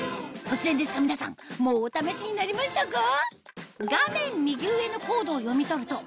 突然ですが皆さんもうお試しになりましたか？